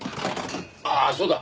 ああそうだ。